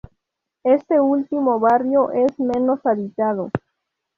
Este último barrio es el menos habitado.